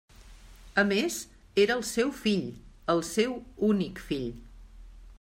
A més, era el seu fill, el seu únic fill.